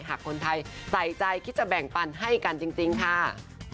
หากคนไทยใส่ใจคิดจะแบ่งปันให้กันจริงค่ะ